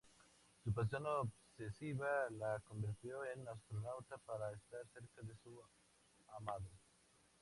Su pasión obsesiva la convirtió en astronauta, para estar cerca de su amado.